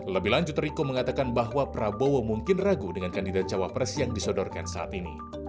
lebih lanjut riko mengatakan bahwa prabowo mungkin ragu dengan kandidat cawapres yang disodorkan saat ini